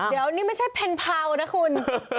เดี๋ยวนี่ไม่ใช่เพนเผานะคุณ